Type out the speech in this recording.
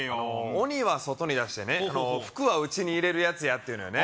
鬼は外に出して福はうちに入れるやつやって言うのよね